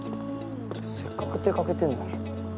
せっかく出かけてんのに。